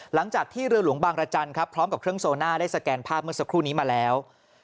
หลังจากที่เรือหลวงบางรจันทร์ครับพร้อมกับเครื่องโซน่าได้สแกนภาพเมื่อสักครู่นี้มาแล้ว